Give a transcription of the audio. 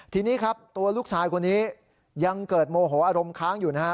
ทีนี้ครับตัวลูกชายคนนี้ยังเกิดโมโหอารมณ์ค้างอยู่นะฮะ